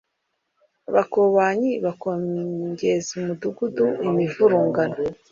abakobanyi bakongeza umudugudu imivurungano